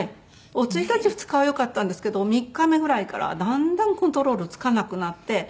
お一日２日はよかったんですけど３日目ぐらいからだんだんコントロールつかなくなって。